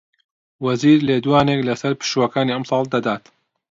وەزیر لێدوانێک لەسەر پشووەکانی ئەمساڵ دەدات